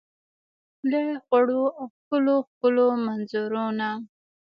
له خوړو او ښکلو ، ښکلو منظرو نه